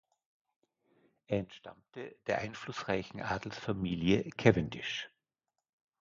Er entstammte der einflussreichen Adelsfamilie Cavendish.